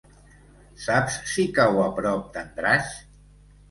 Saps si cau a prop d'Andratx?